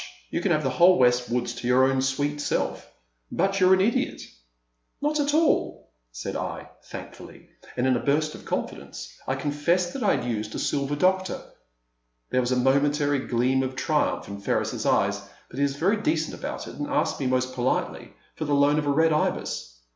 You can have the whole west woods to your own sweet self; but you're an idiot !" ''Not at all/' said I, thankfully; and in a burst of confidence I confessed that I had used a Silver Doctor. There was a momentary gleam of triumph in Ferris' s eyes, but he was very decent about it and asked me most politely for the loan of a Red Ibis.